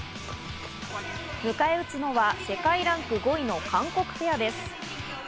迎え撃つのは世界ランク５位の韓国ペアです。